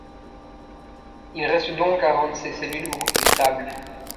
Il reste donc à rendre ces cellules beaucoup plus stables.